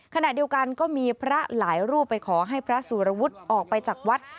ขณะเดียวกันก็มีพระหลายรูปไปขอให้พระสุรวุฒิออกไปจากวัด